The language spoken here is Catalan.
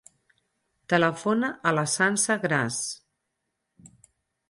Telefona a la Sança Gras.